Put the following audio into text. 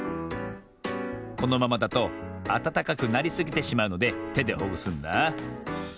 このままだとあたたかくなりすぎてしまうのでてでほぐすんだ。